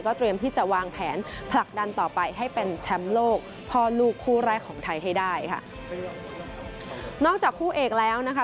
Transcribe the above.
เตรียมที่จะวางแผนผลักดันต่อไปให้เป็นแชมป์โลกพ่อลูกคู่แรกของไทยให้ได้ค่ะนอกจากคู่เอกแล้วนะคะ